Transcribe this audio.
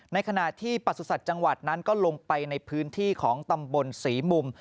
ในขณะที่ประสุทธิ์จังหวัดนั้นก็ลงไปในพื้นที่ของตำบลศรีมุม